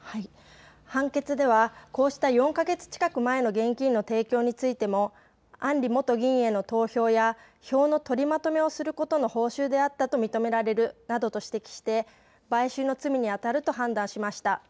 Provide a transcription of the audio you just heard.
判決ではこうした４か月近く前の現金の提供についても案里元議員への投票や票の取りまとめをすることの買収であったと認められるなどと指摘して買収の罪にあたると判断しました。